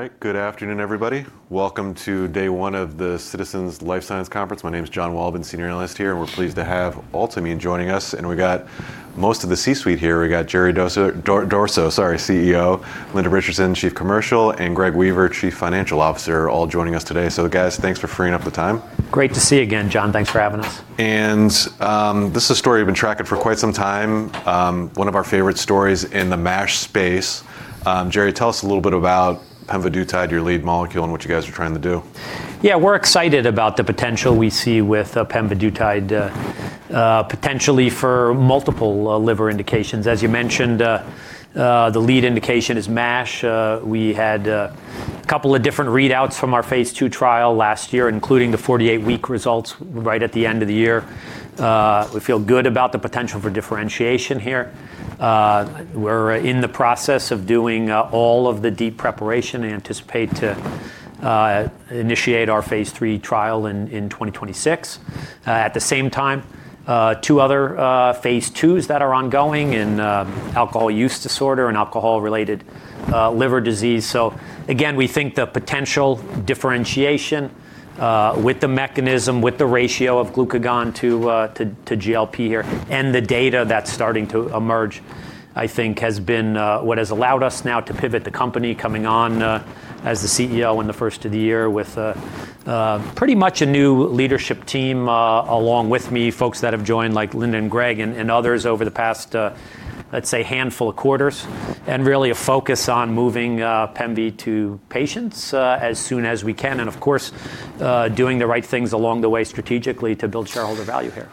All right. Good afternoon, everybody. Welcome to day one of the Citizens Life Sciences Conference. My name is John Wolleben, Senior Analyst here, and we're pleased to have Altimmune joining us, and we got most of the C-suite here. We got Jerry Durso, sorry, CEO, Linda Richardson, Chief Commercial, and Greg Weaver, Chief Financial Officer, all joining us today. Guys, thanks for freeing up the time. Great to see you again, John. Thanks for having us. This is a story we've been tracking for quite some time, one of our favorite stories in the MASH space. Jerry, tell us a little bit about pemvidutide, your lead molecule, and what you guys are trying to do. Yeah, we're excited about the potential we see with pemvidutide, potentially for multiple liver indications. As you mentioned, the lead indication is MASH. We had a couple of different readouts from our phase II trial last year, including the 48-week results right at the end of the year. We feel good about the potential for differentiation here. We're in the process of doing all of the deep preparation. Anticipate to initiate our phase III trial in 2026. At the same time, two other phase IIs that are ongoing in alcohol use disorder and alcohol-related liver disease. Again, we think the potential differentiation with the mechanism, with the ratio of glucagon to GLP here and the data that's starting to emerge, I think has been what has allowed us now to pivot the company coming on as the CEO in the first of the year with pretty much a new leadership team along with me, folks that have joined, like Linda and Greg and others over the past, let's say, handful of quarters. Really a focus on moving pemvidutide to patients as soon as we can. Of course, doing the right things along the way strategically to build shareholder value here.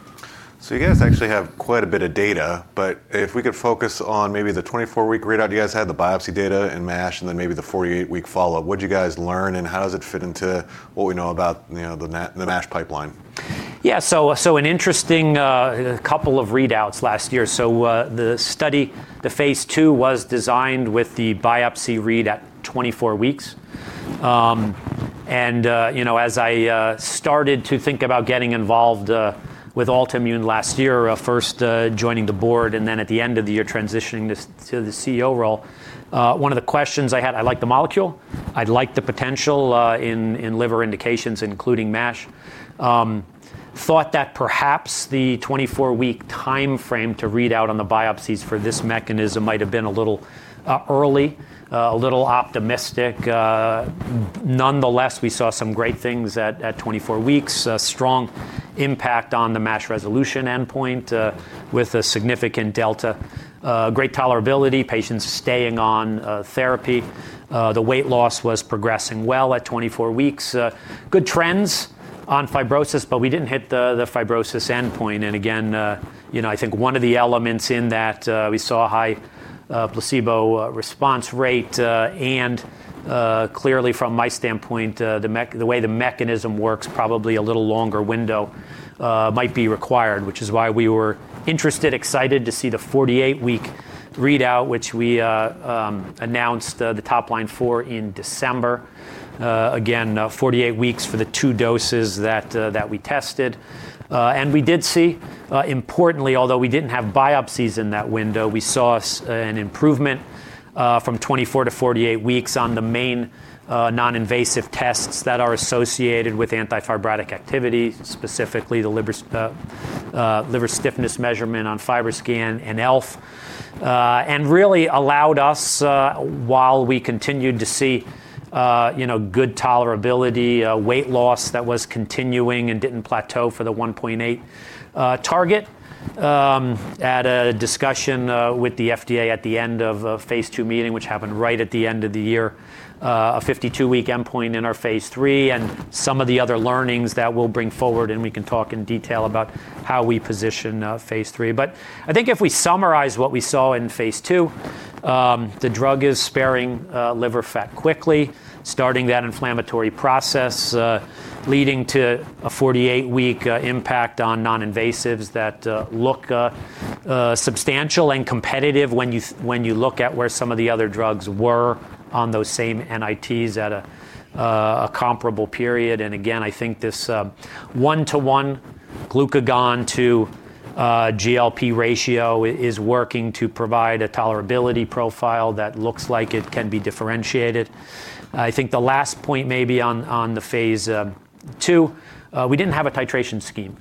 You guys actually have quite a bit of data, but if we could focus on maybe the 24-week readout you guys had, the biopsy data in MASH, and then maybe the 48-week follow-up. What did you guys learn, and how does it fit into what we know about, you know, the MASH pipeline? Yeah. An interesting couple of readouts last year. The study, phase II, was designed with the biopsy read at 24 weeks. You know, as I started to think about getting involved with Altimmune last year, first joining the board and then at the end of the year, transitioning to the CEO role, one of the questions I had. I like the molecule. I like the potential in liver indications, including MASH. Thought that perhaps the 24-week timeframe to read out on the biopsies for this mechanism might have been a little early, a little optimistic. Nonetheless, we saw some great things at 24 weeks. A strong impact on the MASH resolution endpoint with a significant delta. Great tolerability, patients staying on therapy. The weight loss was progressing well at 24 weeks. Good trends on fibrosis, but we didn't hit the fibrosis endpoint. Again, you know, I think one of the elements in that, we saw a high placebo response rate. Clearly from my standpoint, the way the mechanism works, probably a little longer window might be required, which is why we were interested, excited to see the 48-week readout, which we announced the top line for in December. Again, 48 weeks for the two doses that we tested. We did see, importantly, although we didn't have biopsies in that window, we saw an improvement from 24 to 48 weeks on the main non-invasive tests that are associated with anti-fibrotic activity, specifically the liver stiffness measurement on FibroScan and ELF. It really allowed us, while we continued to see, you know, good tolerability, weight loss that was continuing and didn't plateau for the 1.8 target. At a discussion with the FDA at the end of a phase II meeting, which happened right at the end of the year, a 52-week endpoint in our phase III and some of the other learnings that we'll bring forward, and we can talk in detail about how we position phase III. I think if we summarize what we saw in phase II, the drug is reducing liver fat quickly, stopping that inflammatory process, leading to a 48-week impact on non-invasives that look substantial and competitive when you look at where some of the other drugs were on those same NITs at a comparable period. And again, I think this 1-to-1 glucagon to GLP ratio is working to provide a tolerability profile that looks like it can be differentiated. I think the last point maybe on phase II, we didn't have a titration scheme.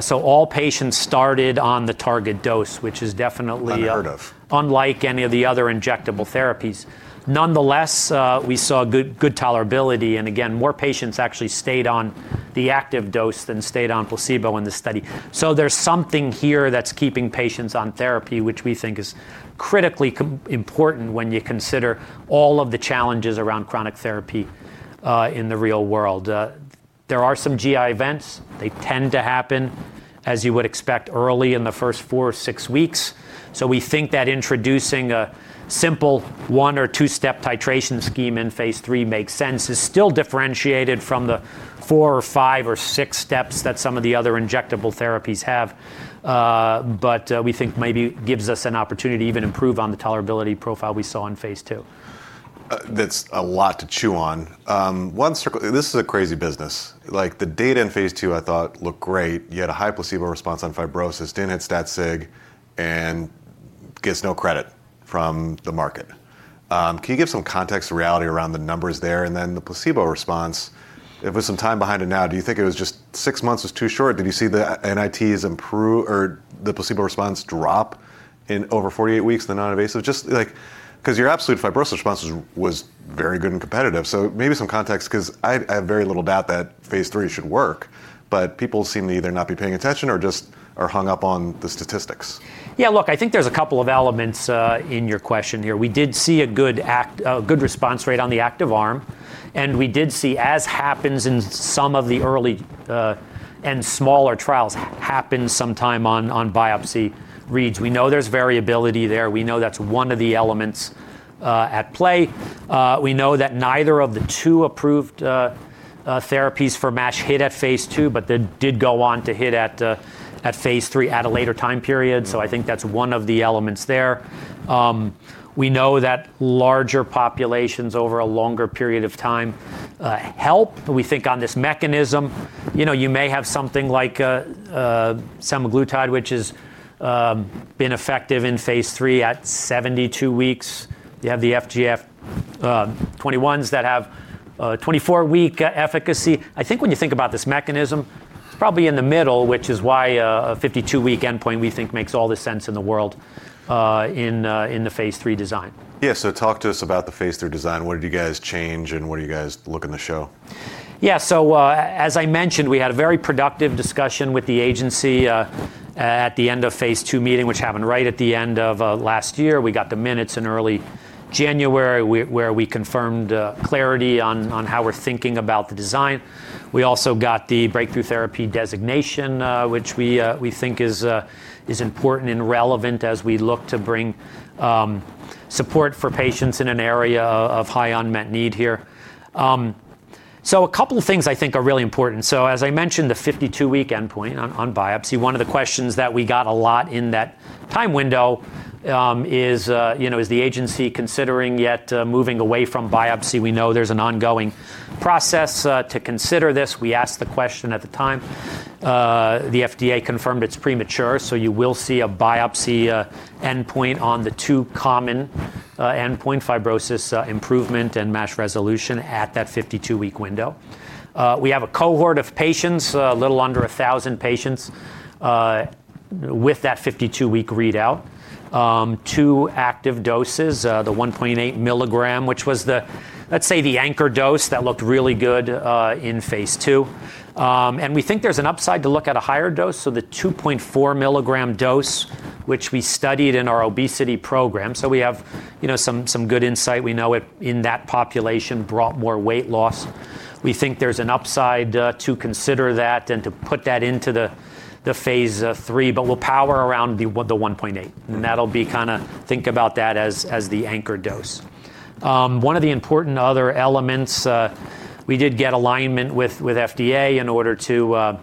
So all patients started on the target dose, which is definitely- Unheard of. Unlike any of the other injectable therapies. Nonetheless, we saw good tolerability, and again, more patients actually stayed on the active dose than stayed on placebo in the study. There's something here that's keeping patients on therapy, which we think is critically important when you consider all of the challenges around chronic therapy in the real world. There are some GI events. They tend to happen, as you would expect, early in the first four or six weeks. We think that introducing a simple one or two-step titration scheme in phase III makes sense. It's still differentiated from the four or five or six steps that some of the other injectable therapies have. We think maybe gives us an opportunity to even improve on the tolerability profile we saw in phase II. That's a lot to chew on. This is a crazy business. Like, the data in phase II I thought looked great. You had a high placebo response on fibrosis, didn't hit stat sig, and gets no credit from the market. Can you give some context to reality around the numbers there? Then the placebo response, if it was some time behind it now, do you think it was just six months was too short? Did you see the NITs improve or the placebo response drop in over 48 weeks, the non-invasive? Just like because your absolute fibrosis response was very good and competitive. Maybe some context because I have very little doubt that phase III should work, but people seem to either not be paying attention or just are hung up on the statistics. Yeah, look, I think there's a couple of elements in your question here. We did see a good response rate on the active arm, and we did see, as happens in some of the early and smaller trials, happens sometimes on biopsy reads. We know there's variability there. We know that's one of the elements at play. We know that neither of the two approved therapies for MASH hit at phase II, but they did go on to hit at phase III at a later time period. I think that's one of the elements there. We know that larger populations over a longer period of time help. We think on this mechanism, you know, you may have something like semaglutide, which has been effective in phase III at 72 weeks. You have the FGF21s that have 24-week efficacy. I think when you think about this mechanism, it's probably in the middle, which is why a 52-week endpoint, we think makes all the sense in the world, in the phase III design. Yeah. Talk to us about the phase III design. What did you guys change, and what are you guys looking to show? As I mentioned, we had a very productive discussion with the agency at the end of phase II meeting, which happened right at the end of last year. We got the minutes in early January where we confirmed clarity on how we're thinking about the design. We also got the Breakthrough Therapy designation, which we think is important and relevant as we look to bring support for patients in an area of high unmet need here. A couple of things I think are really important. As I mentioned, the 52-week endpoint on biopsy, one of the questions that we got a lot in that time window is, you know, is the agency considering yet moving away from biopsy. We know there's an ongoing process to consider this. We asked the question at the time. The FDA confirmed it's premature, so you will see a biopsy endpoint on the two common endpoints, fibrosis improvement and MASH resolution at that 52-week window. We have a cohort of patients, a little under 1,000 patients, with that 52-week readout. Two active doses, the 1.8 mg, which was the, let's say, the anchor dose that looked really good, in phase II. We think there's an upside to look at a higher dose. The 2.4 mg dose, which we studied in our obesity program. We have, you know, some good insight. We know it, in that population, brought more weight loss. We think there's an upside to consider that and to put that into the phase III. We'll power around the 1.8, and that'll be kind of think about that as the anchor dose. One of the important other elements, we did get alignment with FDA in order to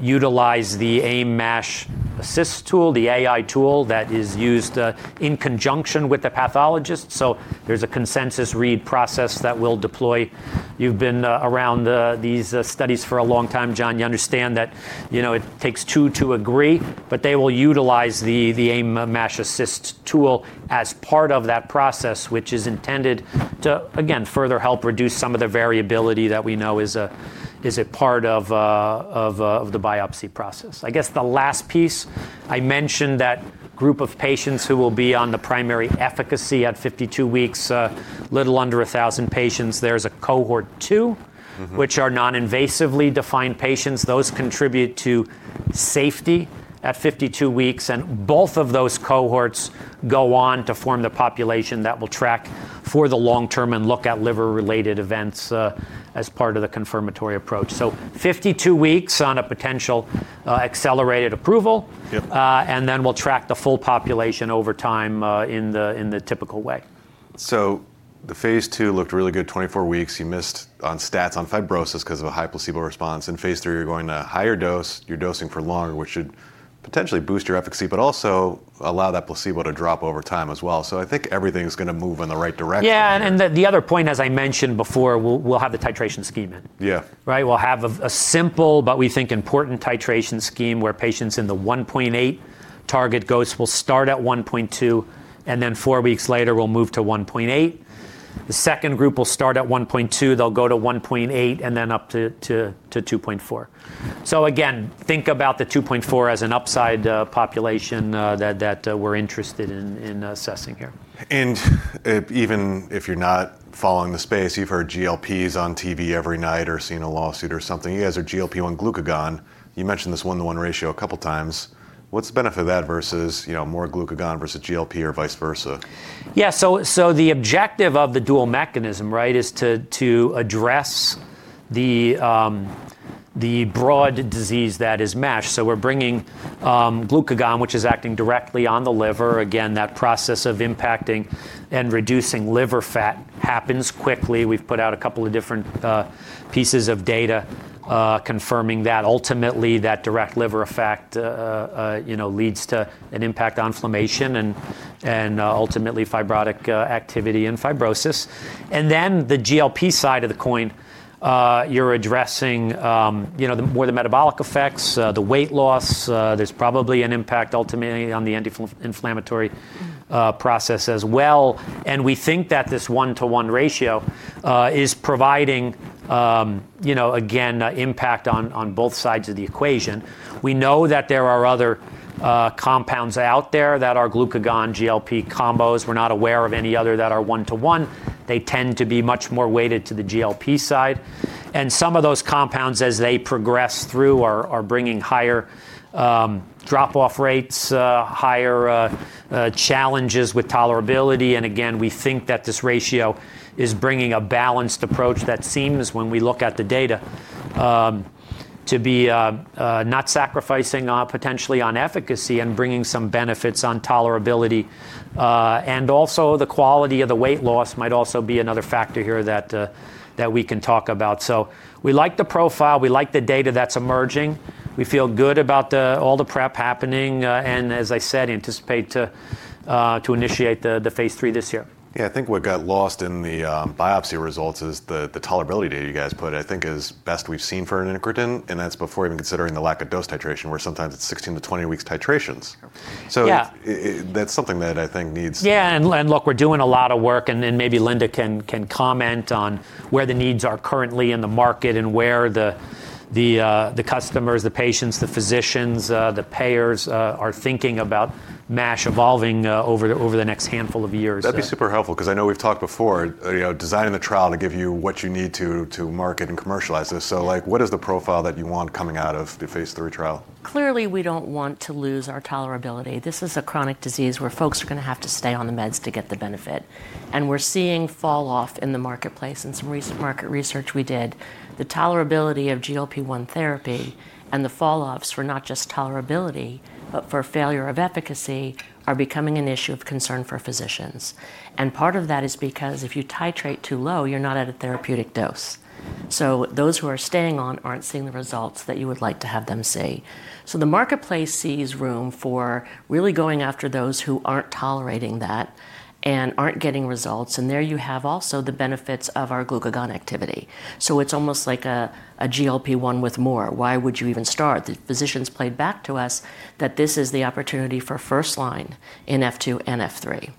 utilize the AIM-MASH AI Assist tool, the AI tool that is used in conjunction with the pathologist. There's a consensus read process that we'll deploy. You've been around these studies for a long time, John. You understand that, you know, it takes two to agree, but they will utilize the AIM-MASH AI Assist tool as part of that process, which is intended to, again, further help reduce some of the variability that we know is a part of the biopsy process. I guess the last piece, I mentioned that group of patients who will be on the primary efficacy at 52 weeks, a little under 1,000 patients. There's a cohort two- Mm-hmm which are non-invasively defined patients. Those contribute to safety at 52 weeks, and both of those cohorts go on to form the population that we'll track for the long term and look at liver-related events, as part of the confirmatory approach. 52 weeks on a potential accelerated approval. Yep. We'll track the full population over time in the typical way. The phase II looked really good. 24 weeks, you missed on stats on fibrosis because of a high placebo response. In phase III, you're going to higher dose. You're dosing for longer, which should potentially boost your efficacy, but also allow that placebo to drop over time as well. I think everything's going to move in the right direction here. Yeah. The other point, as I mentioned before, we'll have the titration scheme in. Yeah. Right? We'll have a simple, but we think important titration scheme where patients in the 1.8 target dose will start at 1.2, and then four weeks later, we'll move to 1.8. The second group will start at 1.2, they'll go to 1.8, and then up to 2.4. Again, think about the 2.4 as an upside population that we're interested in assessing here. Even if you're not following the space, you've heard GLP-1s on TV every night or seen a lawsuit or something. You guys are GLP-1 glucagon. You mentioned this one-to-one ratio a couple times. What's the benefit of that versus, you know, more glucagon versus GLP-1 or vice versa? Yeah. The objective of the dual mechanism, right, is to address the broad disease that is MASH. We're bringing glucagon, which is acting directly on the liver. Again, that process of impacting and reducing liver fat happens quickly. We've put out a couple of different pieces of data confirming that ultimately, that direct liver effect, you know, leads to an impact on inflammation and ultimately fibrotic activity and fibrosis. Then the GLP side of the coin, you're addressing, you know, the more the metabolic effects, the weight loss, there's probably an impact ultimately on the anti-inflammatory process as well. We think that this one-to-one ratio is providing, you know, again, impact on both sides of the equation. We know that there are other compounds out there that are glucagon/GLP combos. We're not aware of any other that are one-to-one. They tend to be much more weighted to the GLP side. Some of those compounds, as they progress through, are bringing higher drop-off rates, higher challenges with tolerability. Again, we think that this ratio is bringing a balanced approach that seems, when we look at the data, to be not sacrificing potentially on efficacy and bringing some benefits on tolerability. Also the quality of the weight loss might also be another factor here that we can talk about. We like the profile, we like the data that's emerging. We feel good about all the prep happening, and as I said, anticipate to initiate the phase III this year. Yeah. I think what got lost in the biopsy results is the tolerability that you guys put, I think is best we've seen for an incretin, and that's before even considering the lack of dose titration, where sometimes it's 16-20 weeks titrations. Yeah. That's something that I think needs. Yeah. Look, we're doing a lot of work, and then maybe Linda can comment on where the needs are currently in the market and where the customers, the patients, the physicians, the payers are thinking about MASH evolving over the next handful of years. Yeah. That'd be super helpful, because I know we've talked before. You know, designing the trial to give you what you need to market and commercialize this. Yeah. Like, what is the profile that you want coming out of the phase III trial? Clearly, we don't want to lose our tolerability. This is a chronic disease where folks are going to have to stay on the meds to get the benefit. We're seeing fall off in the marketplace. In some recent market research we did, the tolerability of GLP-1 therapy and the falloffs for not just tolerability, but for failure of efficacy, are becoming an issue of concern for physicians. Part of that is because if you titrate too low, you're not at a therapeutic dose. Those who are staying on aren't seeing the results that you would like to have them see. The marketplace sees room for really going after those who aren't tolerating that and aren't getting results. There you have also the benefits of our glucagon activity. It's almost like a GLP-1 with more. Why would you even start? The physicians played back to us that this is the opportunity for first line in F2 and F3.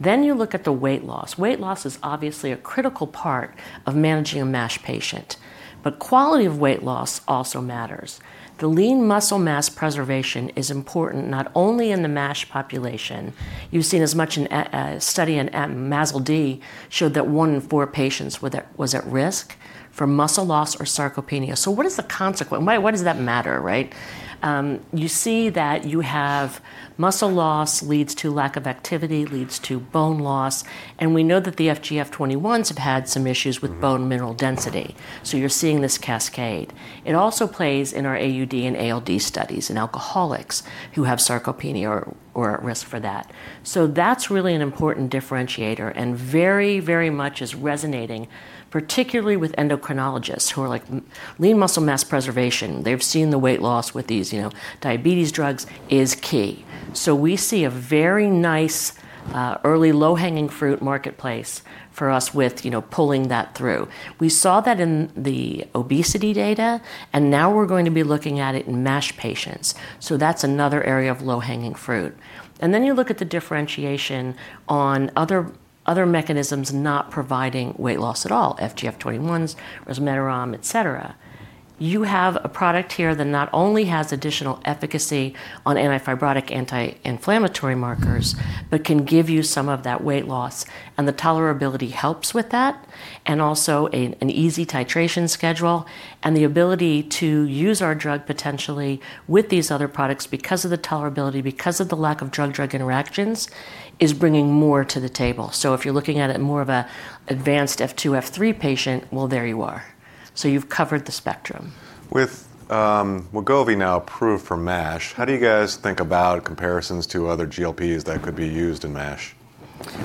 You look at the weight loss. Weight loss is obviously a critical part of managing a MASH patient. Quality of weight loss also matters. The lean muscle mass preservation is important, not only in the MASH population. You've seen as much in a study in MASLD showed that one in four patients was at risk for muscle loss or sarcopenia. What is the consequence? Why does that matter, right? You see that you have muscle loss leads to lack of activity, leads to bone loss, and we know that the FGF21s have had some issues with. Mm-hmm Bone mineral density. You're seeing this cascade. It also plays in our AUD and ALD studies in alcoholics who have sarcopenia or are at risk for that. That's really an important differentiator and very, very much is resonating, particularly with endocrinologists who are like, "lean muscle mass preservation." They've seen the weight loss with these, you know, diabetes drugs is key. We see a very nice early low-hanging fruit marketplace for us with, you know, pulling that through. We saw that in the obesity data, and now we're going to be looking at it in MASH patients. That's another area of low-hanging fruit. Then you look at the differentiation on other mechanisms not providing weight loss at all, FGF21s, efinopegdutide, et cetera. You have a product here that not only has additional efficacy on anti-fibrotic, anti-inflammatory markers, but can give you some of that weight loss. The tolerability helps with that, and also an easy titration schedule. The ability to use our drug potentially with these other products because of the tolerability, because of the lack of drug-drug interactions, is bringing more to the table. If you're looking at it more of a advanced F2, F3 patient, well, there you are. You've covered the spectrum. With Wegovy now approved for MASH, how do you guys think about comparisons to other GLPs that could be used in MASH?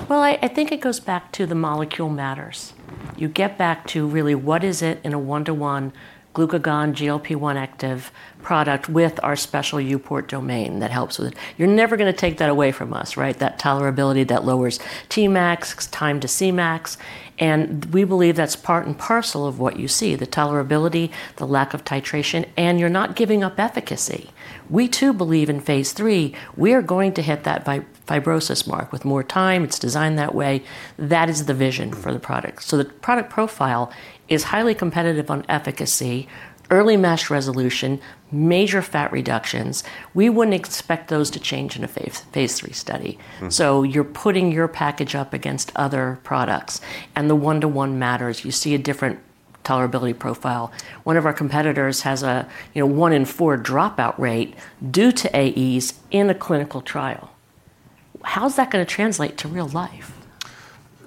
Well, I think it goes back to the molecule matters. You get back to really what is it in a one-to-one glucagon GLP-1 active product with our special EuPort domain that helps with it. You're never going to take that away from us, right? That tolerability that lowers Tmax, time to Cmax, and we believe that's part and parcel of what you see, the tolerability, the lack of titration, and you're not giving up efficacy. We too believe in phase III, we are going to hit that fibrosis mark with more time. It's designed that way. That is the vision for the product. The product profile is highly competitive on efficacy, early MASH resolution, major fat reductions. We wouldn't expect those to change in a phase III study. Mm-hmm. You're putting your package up against other products, and the one-to-one matters. You see a different tolerability profile. One of our competitors has a, you know, one in four dropout rate due to AEs in a clinical trial. How's that going to translate to real life?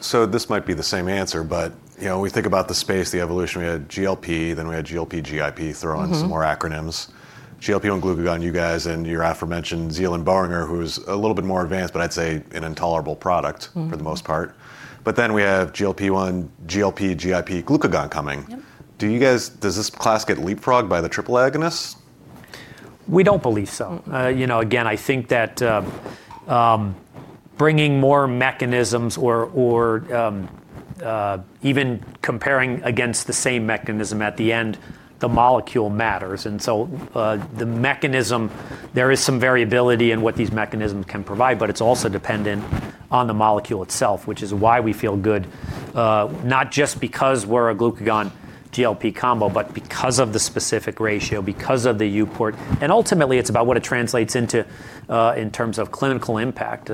This might be the same answer, but you know, when we think about the space, the evolution, we had GLP, then we had GLP-GIP, throw on. Mm-hmm. Some more acronyms. GLP-1 glucagon, you guys, and your aforementioned Zealand and Boehringer, who's a little bit more advanced, but I'd say an intolerable product. Mm-hmm. for the most part. We have GLP-1, GLP-1/GIP, glucagon coming. Yep. Does this class get leapfrogged by the triple agonist? We don't believe so. Mm-mm. You know, again, I think that bringing more mechanisms or even comparing against the same mechanism at the end, the molecule matters. The mechanism, there is some variability in what these mechanisms can provide, but it's also dependent on the molecule itself, which is why we feel good, not just because we're a glucagon GLP combo, but because of the specific ratio, because of the EuPort. Ultimately, it's about what it translates into in terms of clinical impact.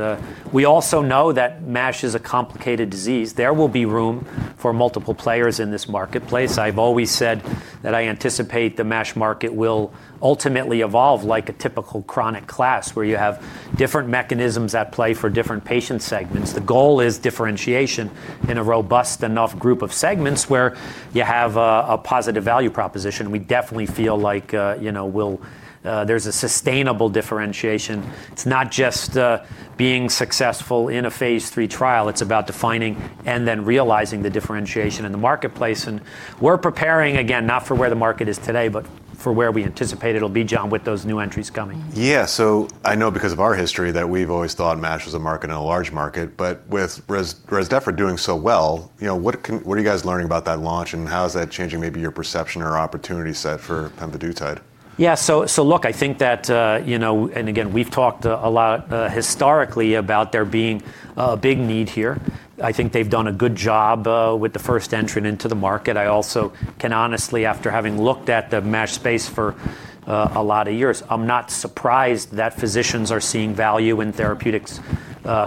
We also know that MASH is a complicated disease. There will be room for multiple players in this marketplace. I've always said that I anticipate the MASH market will ultimately evolve like a typical chronic class, where you have different mechanisms at play for different patient segments. The goal is differentiation in a robust enough group of segments where you have a positive value proposition. We definitely feel like, you know, there's a sustainable differentiation. It's not just being successful in a phase III trial, it's about defining and then realizing the differentiation in the marketplace. We're preparing, again, not for where the market is today, but for where we anticipate it'll be, John, with those new entries coming. Mm-hmm. Yeah. I know because of our history that we've always thought MASH as a market and a large market, but with Rezdiffra doing so well, you know, what are you guys learning about that launch, and how is that changing maybe your perception or opportunity set for pemvidutide? Look, I think that, you know, and again, we've talked a lot historically about there being a big need here. I think they've done a good job with the first entrant into the market. I also can honestly, after having looked at the MASH space for a lot of years, I'm not surprised that physicians are seeing value in therapeutics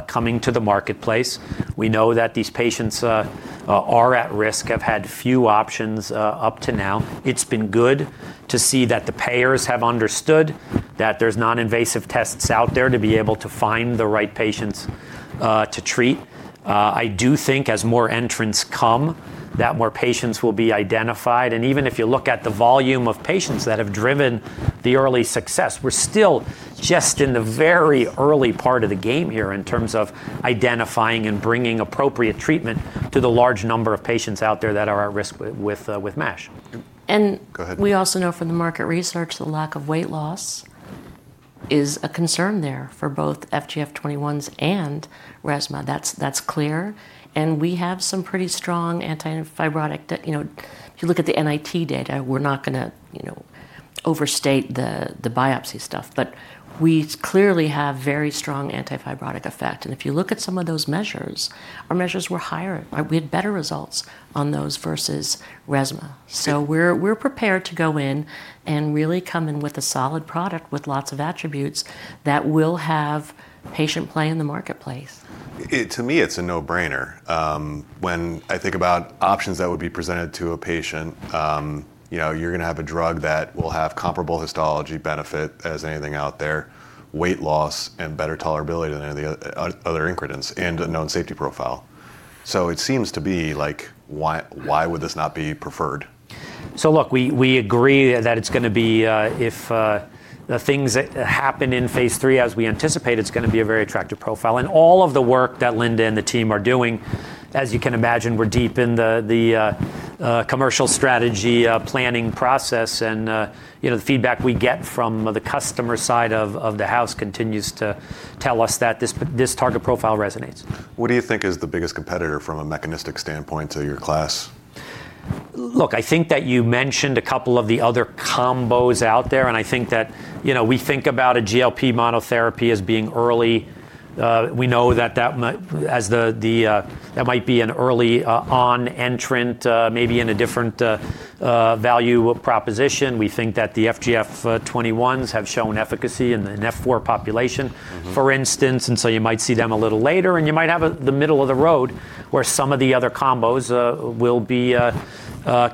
coming to the marketplace. We know that these patients are at risk, have had few options up to now. It's been good to see that the payers have understood that there's non-invasive tests out there to be able to find the right patients to treat. I do think as more entrants come, that more patients will be identified. Even if you look at the volume of patients that have driven the early success, we're still just in the very early part of the game here in terms of identifying and bringing appropriate treatment to the large number of patients out there that are at risk with MASH. Yep. And- Go ahead. We also know from the market research, the lack of weight loss is a concern there for both FGF21s and Rezdiffra. That's clear. We have some pretty strong antifibrotic. You know, if you look at the NIT data, we're not going to, you know, overstate the biopsy stuff, but we clearly have very strong antifibrotic effect. If you look at some of those measures, our measures were higher. We had better results on those versus Rezdiffra. We're prepared to go in and really come in with a solid product with lots of attributes that will have patient play in the marketplace. To me, it's a no-brainer. When I think about options that would be presented to a patient, you know, you're going to have a drug that will have comparable histology benefit as anything out there, weight loss and better tolerability than any of the other increments and a known safety profile. It seems to be like, why would this not be preferred? Look, we agree that it's going to be, if the things that happen in phase III as we anticipate, it's going to be a very attractive profile. All of the work that Linda and the team are doing, as you can imagine, we're deep in the commercial strategy planning process, and you know, the feedback we get from the customer side of the house continues to tell us that this target profile resonates. What do you think is the biggest competitor from a mechanistic standpoint to your class? Look, I think that you mentioned a couple of the other combos out there, and I think that, you know, we think about a GLP monotherapy as being early. We know that that might be an early on entrant, maybe in a different value proposition. We think that the FGF 21s have shown efficacy in an F4 population. Mm-hmm. For instance, you might see them a little later. You might have the middle of the road, where some of the other combos will be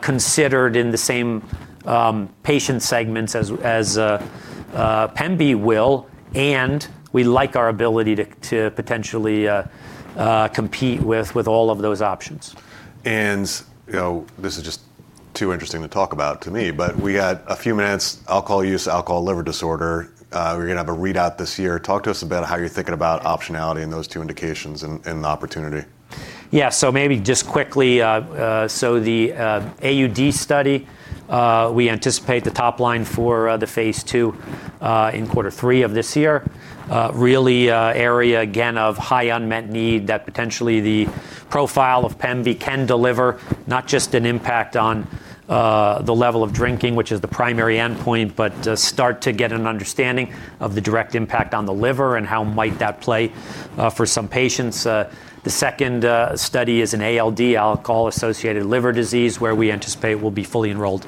considered in the same patient segments as pemvidutide will, and we like our ability to potentially compete with all of those options. You know, this is just too interesting to talk about to me. We got a few minutes. Alcohol use, alcohol liver disorder, we're going to have a readout this year. Talk to us about how you're thinking about optionality in those two indications and the opportunity. Yeah. Maybe just quickly, the AUD study, we anticipate the top line for the phase II in quarter III of this year. Really, area again of high unmet need that potentially the profile of pemvidutide can deliver not just an impact on the level of drinking, which is the primary endpoint, but start to get an understanding of the direct impact on the liver and how might that play for some patients. The second study is an ALD, alcohol-associated liver disease, where we anticipate we'll be fully enrolled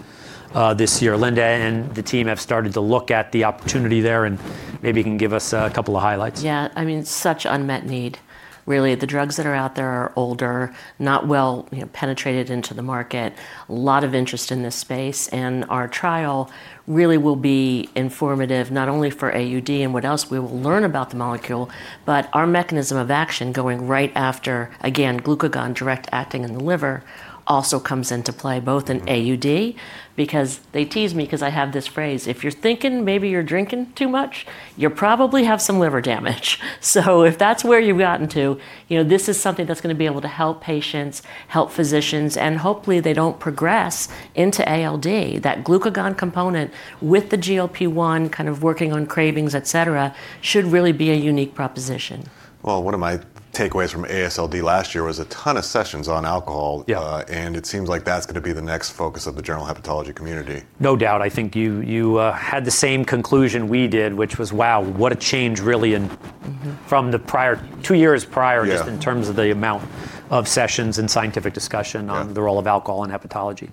this year. Linda and the team have started to look at the opportunity there, and maybe you can give us a couple of highlights. Yeah. I mean, such unmet need really. The drugs that are out there are older, not well, you know, penetrated into the market. Lot of interest in this space, and our trial really will be informative not only for AUD and what else we will learn about the molecule, but our mechanism of action going right after, again, glucagon direct acting in the liver also comes into play both in AUD, because they tease me 'cause I have this phrase, "If you're thinking maybe you're drinking too much, you probably have some liver damage." If that's where you've gotten to, you know, this is something that's going to be able to help patients, help physicians, and hopefully they don't progress into ALD. That glucagon component with the GLP-1 kind of working on cravings, et cetera, should really be a unique proposition. Well, one of my takeaways from AASLD last year was a ton of sessions on alcohol. Yeah. It seems like that's going to be the next focus of the general hepatology community. No doubt. I think you had the same conclusion we did, which was, wow, what a change really in- Mm-hmm from the prior two years prior. Yeah Just in terms of the amount of sessions and scientific discussion. Yeah on the role of alcohol in hepatology.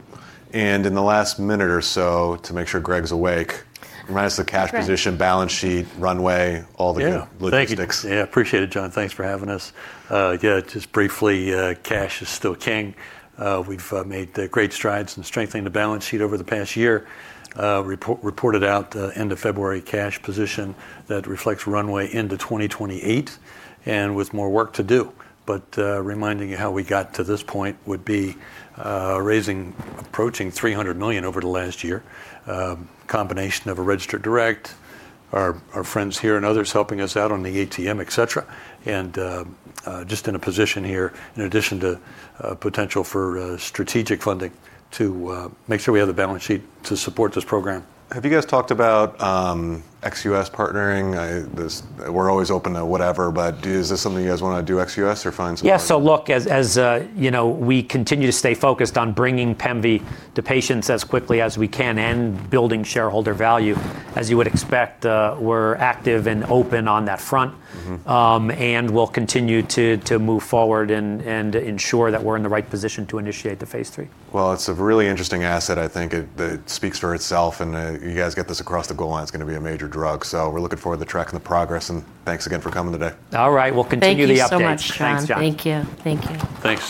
In the last minute or so, to make sure Greg's awake. That's right. Remind us of the cash position, balance sheet, runway, all the Yeah logistics. Thank you. Yeah, appreciate it, John. Thanks for having us. Yeah, just briefly, cash is still king. We've made great strides in strengthening the balance sheet over the past year. Reported out end of February cash position that reflects runway into 2028 and with more work to do. Reminding you how we got to this point would be raising approaching $300 million over the last year. Combination of a registered direct, our friends here and others helping us out on the ATM, et cetera. Just in a position here in addition to potential for strategic funding to make sure we have the balance sheet to support this program. Have you guys talked about ex-US partnering? We're always open to whatever, but is this something you guys want to do ex-US or find somebody? Yeah. Look, as you know, we continue to stay focused on bringing pemvidutide to patients as quickly as we can and building shareholder value, as you would expect, we're active and open on that front. Mm-hmm. We'll continue to move forward and ensure that we're in the right position to initiate the phase III. Well, it's a really interesting asset. I think it speaks for itself, and you guys get this across the goal line, it's going to be a major drug. We're looking forward to tracking the progress, and thanks again for coming today. All right. We'll continue the updates. Thank you so much, John. Thanks, John. Thank you. Thank you. Thank you.